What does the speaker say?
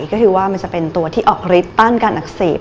ก็คือว่ามันจะเป็นตัวที่ออกฤทธิตต้านการอักเสบ